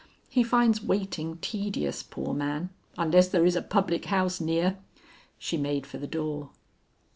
He finds waiting tedious, poor man, unless there is a public house near." She made for the door.